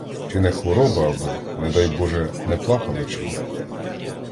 Чи не хвора або, не дай боже, не плакала чого?